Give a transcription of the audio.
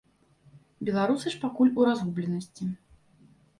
Беларусы ж пакуль у разгубленасці.